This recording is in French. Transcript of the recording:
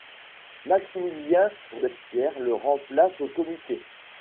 Maximilien Robespierre le remplace au Comité.